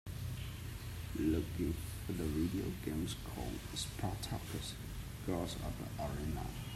Looking for the video game called Spartacus: Gods of the Arena